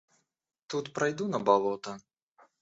Тут пройду на болото?